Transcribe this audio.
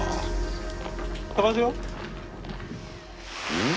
うん？